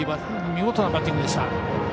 見事なバッティングでした。